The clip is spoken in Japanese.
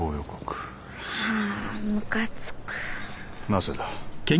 なぜだ？